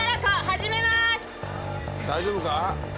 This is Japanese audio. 大丈夫か？